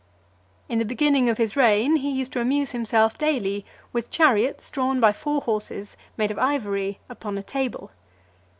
In the beginning of his reign, he used to amuse himself daily with chariots drawn by four horses, made of ivory, upon a table.